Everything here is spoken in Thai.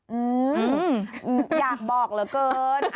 อืมอยากบอกเหลือเกิน